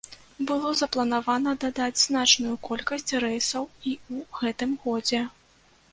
Было запланавана дадаць значную колькасць рэйсаў і ў гэтым годзе.